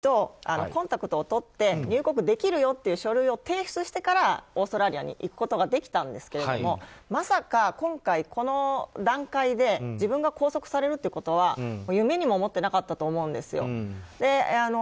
初めはジョコビッチ選手も正当な理由があってそれからテニス協会とコンタクトをとって入国できるよという書類を提出してからオーストラリアに行くことができたんですけどもまさか今回、この段階で自分が拘束されるということは夢にも思っていなかったと思うんですよ。